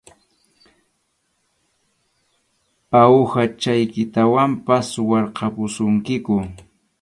Awuhachaykitawanpas suwarqapusunkiku.